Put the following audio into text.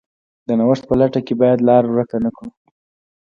د نوښت په لټه کې باید لار ورکه نه کړو.